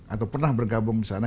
atau pernah bergabung disana